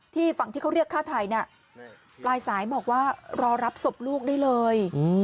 ฝั่งที่เขาเรียกฆ่าไทยปลายสายบอกว่ารอรับศพลูกได้เลย